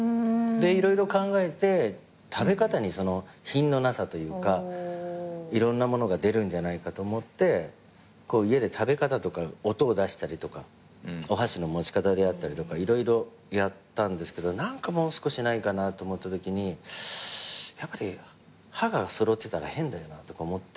で色々考えて食べ方に品のなさというかいろんなものが出るんじゃないかと思って家で食べ方とか音を出したりとかお箸の持ち方であったりとか色々やったんですけど何かもう少しないかなと思ったときにやっぱり歯が揃ってたら変だよなとか思って。